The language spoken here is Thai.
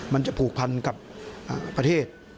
มันจะผูกพันกับประเทศ